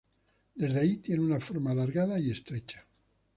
Desde ahí tiene una forma alargada y estrecha.